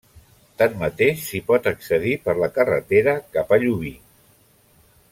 Tanmateix s'hi pot accedir per la carretera cap a Llubí.